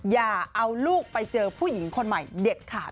อย่าเอาลูกไปเจอผู้หญิงคนใหม่เด็ดขาด